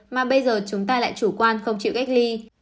mà bây giờ chúng ta lại chủ quan không chịu cách ly